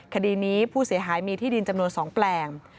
คดีนี้ผู้เสียหายมีที่ดินจำนวน๒แปลง